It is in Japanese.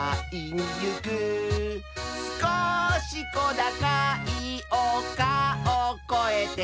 「すこしこだかいおかをこえて」